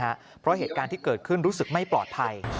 เพราะเหตุการณ์ที่เกิดขึ้นรู้สึกไม่ปลอดภัย